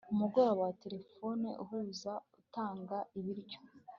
umurongo wa telefoni uhuza utanga ibiryo